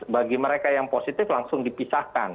bagi mereka yang positif langsung dipisahkan